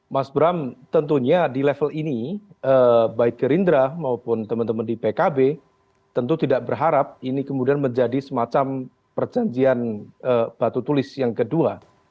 mas bram tentunya di level ini baik gerindra maupun teman teman di pkb tentu tidak berharap ini kemudian menjadi semacam perjanjian batu tulis yang kedua